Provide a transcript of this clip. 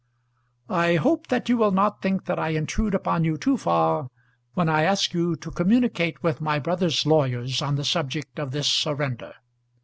I hope that you will not think that I intrude upon you too far when I ask you to communicate with my brother's lawyers on the subject of this surrender.